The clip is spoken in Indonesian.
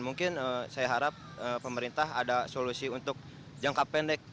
mungkin saya harap pemerintah ada solusi untuk jangka pendek